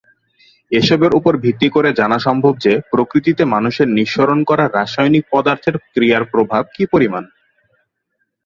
এসবের উপর ভিত্তি করে জানা সম্ভব যে প্রকৃতিতে মানুষের নিঃসরণ করা রাসায়নিক পদার্থের ক্রিয়ার প্রভাব কী পরিমাণ।